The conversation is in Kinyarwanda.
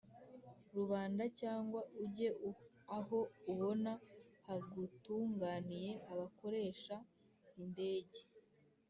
rubanda cyangwa ujye aho ubona hagutunganiye abakoresha indege